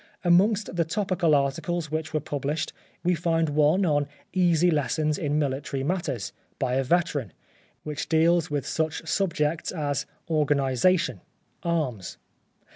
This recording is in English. Amongst the topical articles which were published we find one on " Easy Lessons in Military Matters " by a veteran, which deals with such subjects as " Organisation," " Arms."